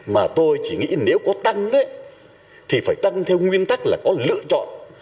mà tôi chỉ nghĩ nếu có tăng thì phải tăng theo nguyên tắc là có lựa chọn